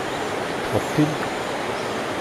Teṭṭfeḍ-t-id?